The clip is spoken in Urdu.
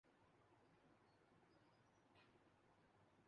ہمیں مہمانوں کا پورا پروٹوکول دیا گیا